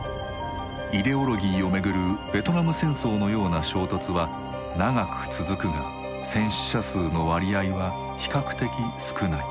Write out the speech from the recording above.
イデオロギーをめぐるベトナム戦争のような衝突は長く続くが戦死者数の割合は比較的少ない。